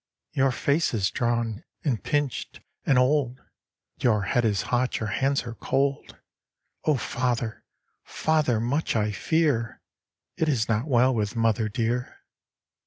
"Your face is drawn and pinched and old ; Your head is hot, your hands are cold. 0 Father, Father, much I fear, It is not well with Mother dear."